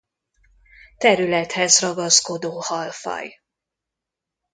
Területhez ragaszkodó halfaj.